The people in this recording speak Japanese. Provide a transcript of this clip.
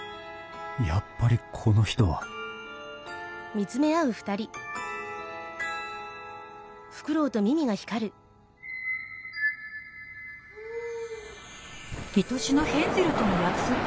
やっぱりこの人はいとしのヘンゼルとの約束？